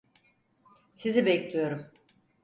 Sizi bekliyorum.